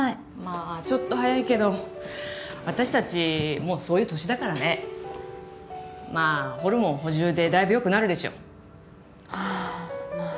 あちょっと早いけど私達もうそういう年だからねまあホルモン補充でだいぶよくなるでしょうああまあ